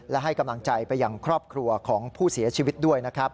และให้กำลังใจไปยังครอบครัวของผู้เสียชีวิตด้วยนะครับ